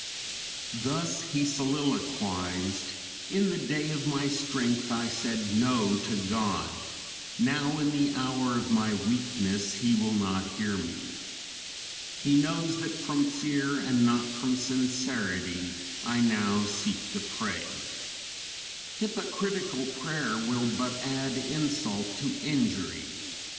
Thus he soliloquized, "In the day of my strength I said 'No' to God; now, in the hour of my weakness, he will not hear me. He knows that from fear and not from sincerity I now seek to pray. Hypocritical prayer will but add insult to injury.